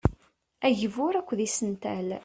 Agbur akked isental.